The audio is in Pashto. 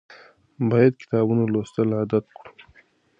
باید کتابونه لوستل عادت کړو.